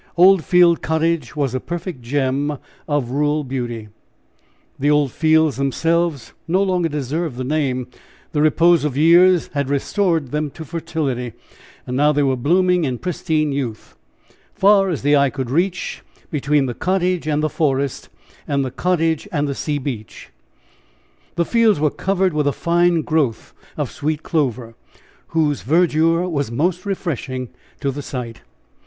Old Field Cottage was a perfect gem of rural beauty. The Old Fields themselves no longer deserved the name the repose of years had restored them to fertility, and now they were blooming in pristine youth far as the eye could reach between the cottage and the forest, and the cottage and the sea beach, the fields were covered with a fine growth of sweet clover, whose verdure was most refreshing to the sight.